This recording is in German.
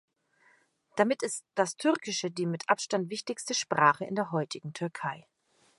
Damit ist das Türkische die mit Abstand wichtigste Sprache in der heutigen Türkei.